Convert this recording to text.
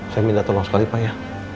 saya minta tolong sekali pak ya